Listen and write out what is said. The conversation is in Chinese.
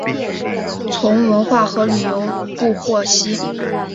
从文化和旅游部获悉